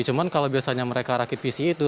cuma kalau biasanya mereka rakit pc itu